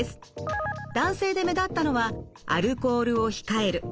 男性で目立ったのはアルコールを控える。